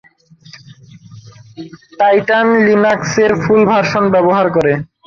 Titan লিনাক্সের full version ব্যবহার করে।